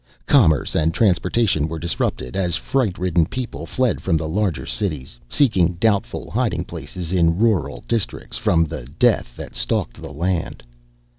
Commerce and transportation were disrupted as fright ridden people fled from the larger cities, seeking doubtful hiding places in rural districts from the death that stalked the land.